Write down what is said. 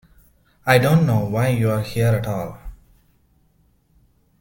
I don't know why you're here at all.